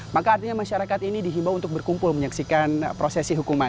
maka artinya masyarakat ini dihimbau untuk berkumpul menyaksikan prosesi hukuman